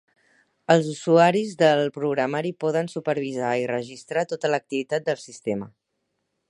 Els usuaris del programari poden supervisar i registrar tota l'activitat del sistema.